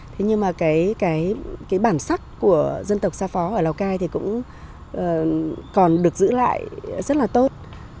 thế nhưng mà cái bản sắc của dân tộc xa phó ở lào cai thì cũng còn được giữ lại rất là tốt